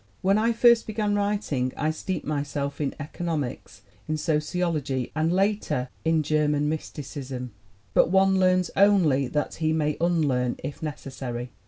"When I first began writing I steeped myself in economics, in sociology and later in German mysti cism. But one learns only that he may unlearn, if necessary.